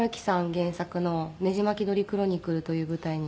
原作の『ねじまき鳥クロニクル』という舞台に。